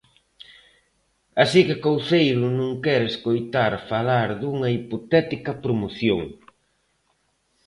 Así que Couceiro non quere escoitar falar dunha hipotética promoción.